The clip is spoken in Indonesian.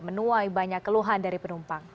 menuai banyak keluhan dari penumpang